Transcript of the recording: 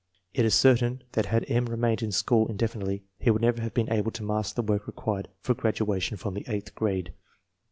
It is certain that had M. remained in school indefinitely, he would never have been able to master the work required for graduation from the eighth grade.